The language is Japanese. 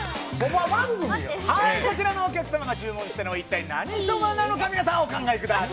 はい、こちらのお客様が注文したのは一体、何そばなのか、皆さん、お考えください。